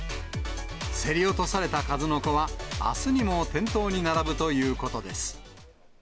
競り落とされたかずのこは、あすにも店頭に並ぶということです。